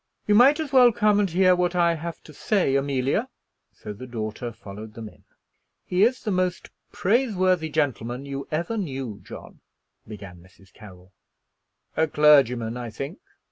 "You might as well come and hear what I have to say, Amelia." So the daughter followed them in. "He is the most praiseworthy gentleman you ever knew, John," began Mrs. Carroll. "A clergyman, I think?"